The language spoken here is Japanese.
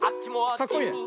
かっこいいね。